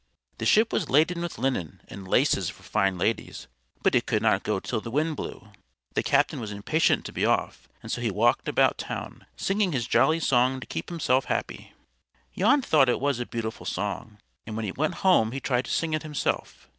The ship was laden with linen and laces for fine ladies, but it could not go till the wind blew. The Captain was impatient to be off, and so he walked about town, singing his jolly song to keep himself happy. Jan thought it was a beautiful song, and when he went home he tried to sing it himself.